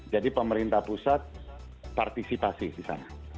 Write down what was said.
jadi pemerintah pusat partisipasi di sana